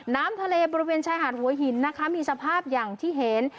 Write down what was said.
น้ำทะเลบริเวณชายหาดหัวหินนะคะมีสภาพอย่างที่เห็น